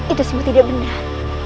itu semua tidak benar